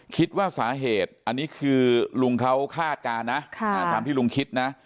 คิดว่าสาเหตุอันนี้คือลุงเขาคาดการณ์นะตามที่ลุงคิดนะ